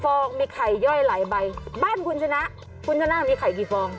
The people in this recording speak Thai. ฟองมีไข่ย่อยหลายใบบ้านคุณชนะคุณชนะมีไข่กี่ฟอง